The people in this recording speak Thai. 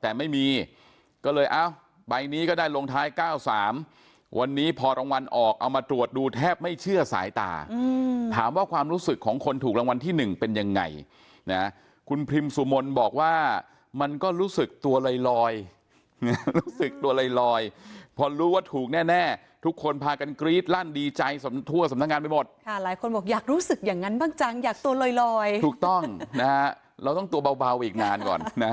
แต่ไม่มีก็เลยเอ้าใบนี้ก็ได้ลงท้ายเก้าสามวันนี้พอรางวัลออกเอามาตรวจดูแทบไม่เชื่อสายตาอืมถามว่าความรู้สึกของคนถูกรางวัลที่หนึ่งเป็นยังไงนะฮะคุณพิมสุมนต์บอกว่ามันก็รู้สึกตัวลอยลอยรู้สึกตัวลอยลอยพอรู้ว่าถูกแน่แน่ทุกคนพากันกรี๊ดลั่นดีใจสำทั่วสำทางานไปหมดค่ะหลายคนบอกอยาก